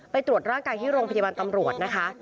ตรวจร่างกายที่โรงพยาบาลตำรวจนะคะ